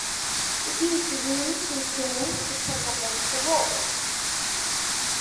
It fills the room to the ceiling pushing against the walls.